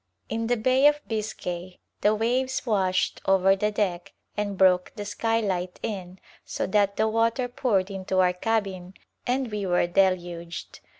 In the Bay of Biscay the waves washed over the deck and broke the skylight in so that the water poured into our cabin and we were deluged.